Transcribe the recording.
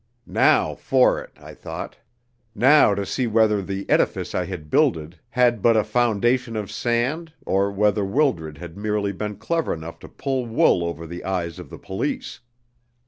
Now for it! I thought. Now to see whether the edifice I had builded had but a foundation of sand, or whether Wildred had merely been clever enough to pull wool over the eyes of the police.